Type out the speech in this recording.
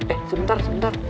eh sebentar sebentar